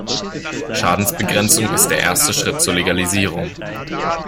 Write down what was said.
Schadensbegrenzung ist der erste Schritt zur Legalisierung.